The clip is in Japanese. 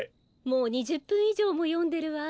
もう２０ぷんいじょうもよんでるわ。